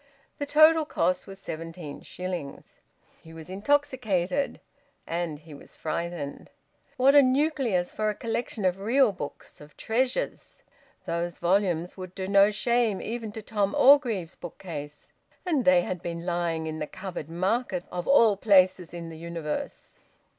The total cost was seventeen shillings. He was intoxicated and he was frightened. What a nucleus for a collection of real books, of treasures! Those volumes would do no shame even to Tom Orgreave's bookcase. And they had been lying in the Covered Market, of all places in the universe...